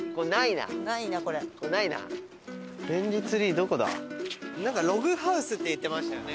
なんか「ログハウス」って言ってましたよね。